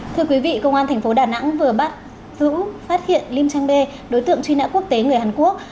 thưa quý vị công an tp đà nẵng vừa bắt giữ phát hiện lim trang bê đối tượng truy nã quốc tế người hàn quốc